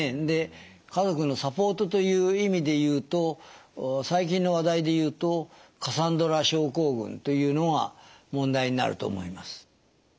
で家族のサポートという意味で言うと最近の話題で言うとカサンドラ症候群というのが問題になると思います。